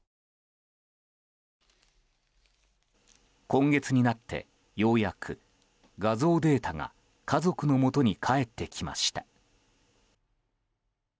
今月になって、ようやく画像データが家族のもとに帰ってきました。